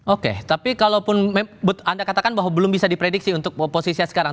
oke tapi kalaupun anda katakan bahwa belum bisa diprediksi untuk oposisi yang sekarang